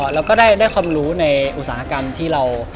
เราก็ได้ความรู้ในอุตสาหกรรมที่เรา